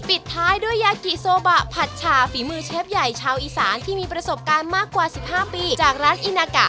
ปิดท้ายด้วยยากิโซบะผัดฉาฝีมือเชฟใหญ่ชาวอีสานที่มีประสบการณ์มากกว่า๑๕ปีจากร้านอินากะ